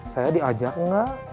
saya diajak enggak